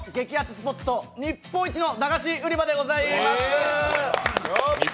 スポット日本一の駄菓子売り場でございます。